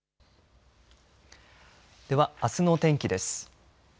では、あすの天気です。